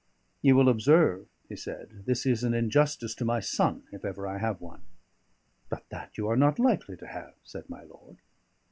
"You will observe," he said, "this is an injustice to my son, if ever I have one." "But that you are not likely to have," said my lord.